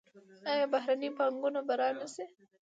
آیا بهرنۍ پانګونه به را نشي؟